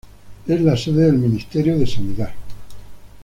Es la sede del Ministerio de Sanidad.